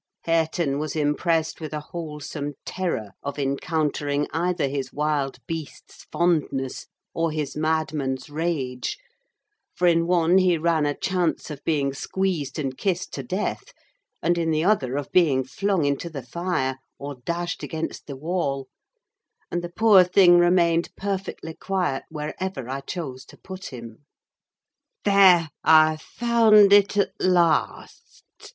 Hareton was impressed with a wholesome terror of encountering either his wild beast's fondness or his madman's rage; for in one he ran a chance of being squeezed and kissed to death, and in the other of being flung into the fire, or dashed against the wall; and the poor thing remained perfectly quiet wherever I chose to put him. "There, I've found it out at last!"